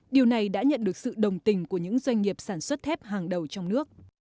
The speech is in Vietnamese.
điều này đã nhận được sự đồng tình của những doanh nghiệp sản xuất thép hàng đầu trong nước